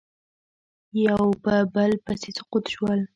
یو په بل پسې سقوط شول